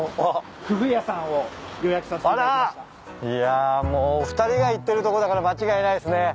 いやもうお二人が行ってるとこだから間違いないっすね。